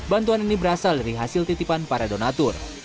bantuan ini berasal dari hasil titipan para donatur